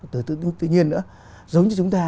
từ tự nhiên nữa giống như chúng ta